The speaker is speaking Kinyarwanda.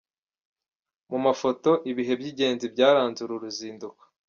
Mu mafoto: Ibihe by’ingenzi byaranze uru ruzinduko.